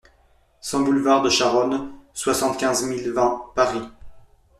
cent boulevard de Charonne, soixante-quinze mille vingt Paris